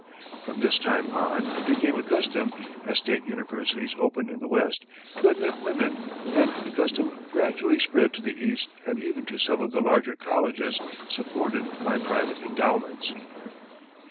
From this time on it became a custom, as state universities opened in the west, to admit women, and the custom gradually spread to the east and even to some of the larger colleges supported by private endowments.